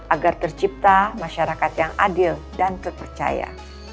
agar tercipta masyarakat yang adil dan terpercaya